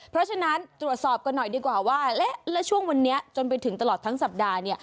เพราะฉะนั้นตรวจสอบกันหน่อยดีกว่าว่าและช่วงวันนี้จนไปถึงตลอดทั้งสัปดาห์